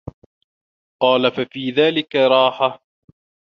قَالَ فَفِي ذَلِكَ رَاحَةٌ